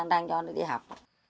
đang cho nó đi học